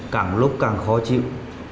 cảm lúc càng khó chịu